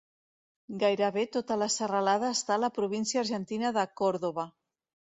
Gairebé tota la serralada està a la província argentina de Córdoba.